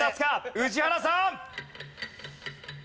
宇治原さん！